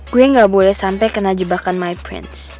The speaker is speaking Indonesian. gue gak boleh sampai kena jebakan my prince